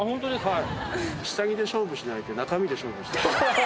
はい。